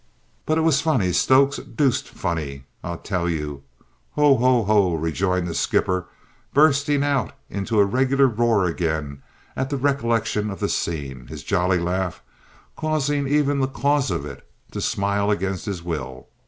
"But it was funny, Stokes; deuced funny, I tell you, `ho ho ho!'" rejoined the skipper, bursting out into a regular roar again at the recollection of the scene, his jolly laugh causing even the cause of it to smile against his will.